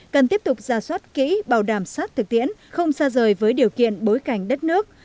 cần tiếp tục ra soát kỹ bảo đảm sát thực tiễn không xa rời với điều kiện bối cảnh đất nước